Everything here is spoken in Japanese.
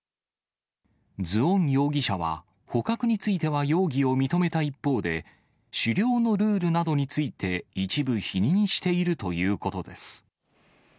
ズオン容疑者は、捕獲については容疑を認めた一方で、狩猟のルールなどについて一部否認しているということです。